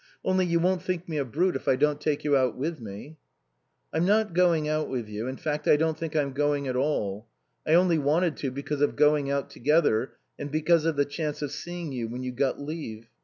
Only you won't think me a brute if I don't take you out with me?" "I'm not going out with you. In fact, I don't think I'm going at all. I only wanted to because of going out together and because of the chance of seeing you when you got leave.